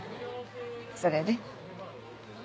それで？